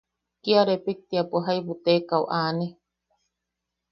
Kia repiktiapo jaibu teekau aane.